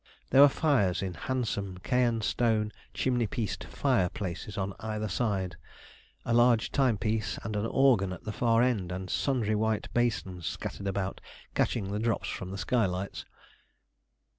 There were fires in handsome Caen stone chimney pieced fireplaces on either side, a large timepiece and an organ at the far end, and sundry white basins scattered about, catching the drops from the skylights.